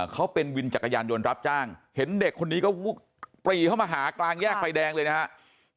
เขาเป็นวินจักรยานยนต์รับจ้างเห็นเด็กคนนี้ก็ปรีเข้ามาหากลางแยกไฟแดงเลยนะครับ